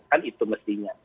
kan itu mestinya